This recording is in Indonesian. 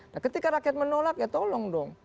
nah ketika rakyat menolak ya tolong dong